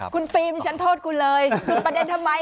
คุณฟิล์มดิฉันโทษคุณเลยจุดประเด็นทำไม